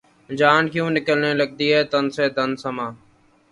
جاں کیوں نکلنے لگتی ہے تن سے‘ دمِ سماع